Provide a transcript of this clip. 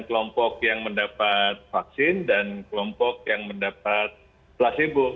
dan kelompok yang mendapat vaksin dan kelompok yang mendapat placebo